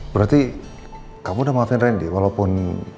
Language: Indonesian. berarti kamu udah maafin randy walaupun